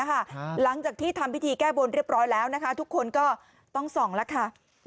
หลังจากที่ทำพิธีแก้บนเรียบร้อยแล้วนะคะทุกคนก็ต้องส่องแล้วค่ะ